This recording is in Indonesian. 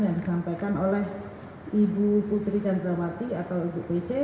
yang disampaikan oleh ibu putri candrawati atau ibu pece